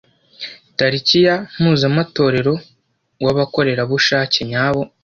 Tariki ya Mpuzamatorero w’Abakorerabushake nyabo